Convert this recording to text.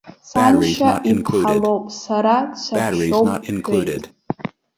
Саншьа иԥҳа лоуп, сара дсаҳәшьоуп, бҳәеит.